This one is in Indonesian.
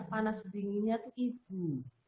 panas dinginnya itu ibu